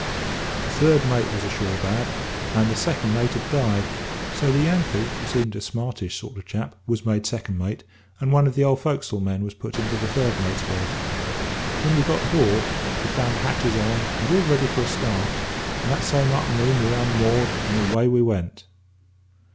The third mate was ashore bad, and the second mate had died, so the Yankee (who seemed a smartish sort of chap) was made second mate, and one of the old fo'c'sle men was put into the third mate's berth. When we got aboard, we found the hatches on, and all ready for a start, and that same a'ternoon we unmoored, and away we went.